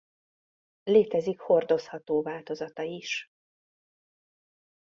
Létezik hordozható változata is.